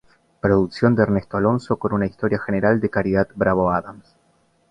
Producción de Ernesto Alonso con una historia general de Caridad Bravo Adams.